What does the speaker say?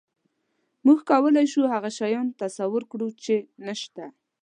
موږ کولی شو هغه شیان تصور کړو، چې نهشته.